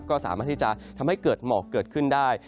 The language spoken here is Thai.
ก็สามารถที่จะทำให้เกิดหมอกเกิดขึ้นได้